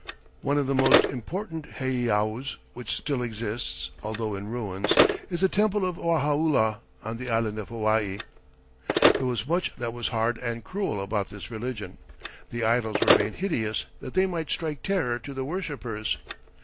One of the most important heiaus, which still exists, although in ruins, is the temple of Wahaula on the island of Hawaii. There was much that was hard and cruel about this religion. The idols were made hideous that they might strike terror to the worshipers.